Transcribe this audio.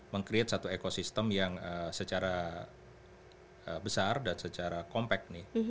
meng create satu ekosistem yang secara besar dan secara compact nih